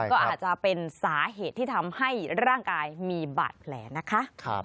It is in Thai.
ก็อาจจะเป็นสาเหตุที่ทำให้ร่างกายมีบาดแผลนะคะ